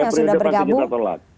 yang sudah bergabung